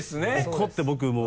怒って僕もう。